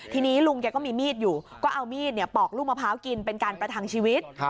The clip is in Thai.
ทีนี้ลุงแกก็มีมีดอยู่ก็เอามีดปอกลูกมะพร้าวกินเป็นการประทังชีวิต